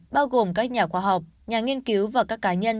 bao gồm các nhà khoa học nhà nghiên cứu và các cá nhân